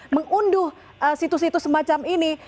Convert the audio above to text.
mengunduh situs situs semacam ini